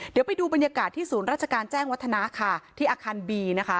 เดี๋ยวไปดูบรรยากาศที่ศูนย์ราชการแจ้งวัฒนาอคารบี